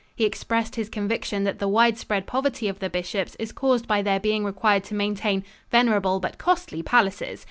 He expressed his conviction that the wide spread poverty of the bishops is caused by their being required to maintain "venerable but costly palaces."